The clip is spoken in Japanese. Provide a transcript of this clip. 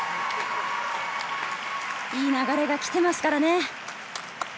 いい流れが来ていますからね。